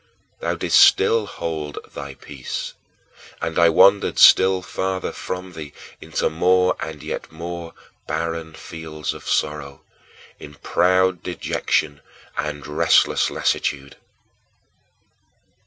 Thou didst still hold thy peace, and I wandered still farther from thee into more and yet more barren fields of sorrow, in proud dejection and restless lassitude.